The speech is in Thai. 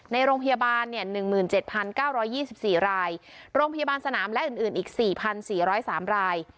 ในโรงพยาบาลเนี่ยหนึ่งหมื่นเจ็ดพันเก้าร้อยยี่สิบสี่รายโรงพยาบาลสนามและอื่นอื่นอีกสี่พันสี่ร้อยสามราย